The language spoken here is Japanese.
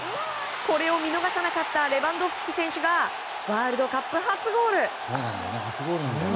これを見逃さなかったレバンドフスキ選手がワールドカップ初ゴール。